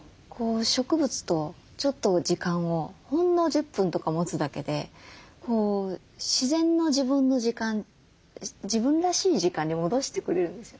植物とちょっと時間をほんの１０分とか持つだけで自然の自分の時間自分らしい時間に戻してくれるんですよね。